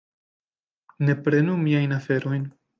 Ne prenu miajn aferojn!